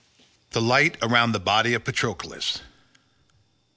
The fight around the body of Patroclus.